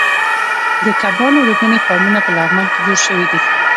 د کبانو روزنې فارمونه په لغمان کې جوړ شوي دي.